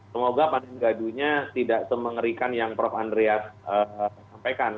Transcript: semoga panen gadunya tidak semengerikan yang prof andreas sampaikan